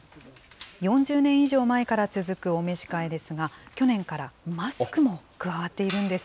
４０年以上前から続くお召し替えですが、去年からマスクも加わっているんです。